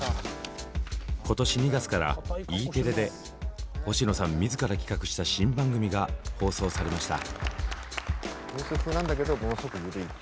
今年２月からＥテレで星野さん自ら企画した新番組が放送されました。